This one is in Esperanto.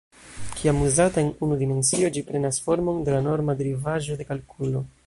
Kiam uzata en unu dimensio, ĝi prenas formon de la norma derivaĵo de kalkulo.